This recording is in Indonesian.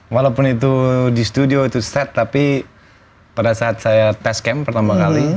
walaupun itu di studio itu set tapi pada saat saya test camp pertama kali